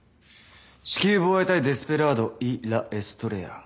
「地球防衛隊デスペラードイ・ラ・エストレヤ」。